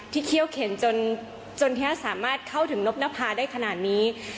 เคี่ยวเข็นจนสามารถเข้าถึงนบนภาได้ขนาดนี้